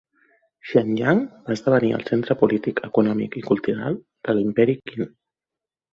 Xianyang va esdevenir el centre polític, econòmic i cultural de l'imperi Qin.